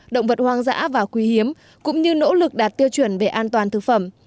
động vật hoang dã và quý hiếm cũng như nỗ lực đạt tiêu chuẩn về an toàn thực phẩm